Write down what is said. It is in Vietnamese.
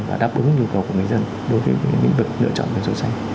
và đáp ứng nhu cầu của người dân đối với những lựa chọn biển số xe